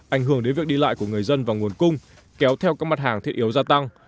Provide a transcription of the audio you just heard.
ảnh hưởng đến việc đi lại của người dân và nguồn cung kéo theo các mặt hàng thiết yếu gia tăng